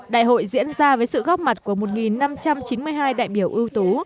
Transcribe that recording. đại hội diễn ra với sự góp mặt của một năm trăm chín mươi hai đại biểu ưu tú